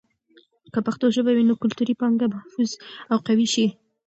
که پښتو ژبه وي، نو کلتوري پانګه محفوظ او قوي شي.